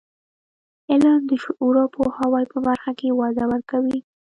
علم د شعور او پوهاوي په برخه کې وده ورکوي.